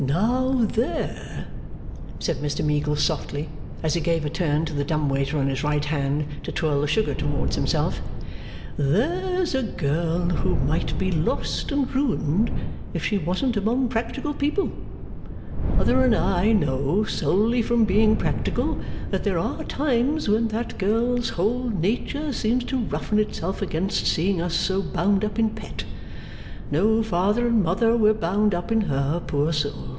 'Now there,' said Mr Meagles softly, as he gave a turn to the dumb waiter on his right hand to twirl the sugar towards himself. 'There's a girl who might be lost and ruined, if she wasn't among practical people. Mother and I know, solely from being practical, that there are times when that girl's whole nature seems to roughen itself against seeing us so bound up in Pet. No father and mother were bound up in her, poor soul.